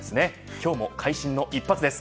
今日も会心の一発です。